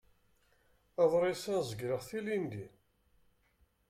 Aḍris-a zegleɣ-t ilindi.